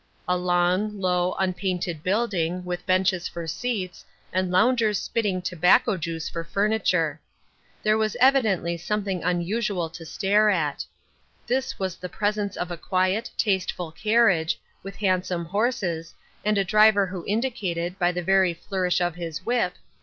A long, low, unpainted building, with benches for seats, and loungers spitting tobacco juice for furniture. There was evidently something unusual to stare at. This was the presence of a quiet, tasteful carriage, with handsome horses, and a driver who indicated, by the very flourish of his whip.